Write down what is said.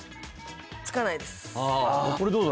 つかないですあれ？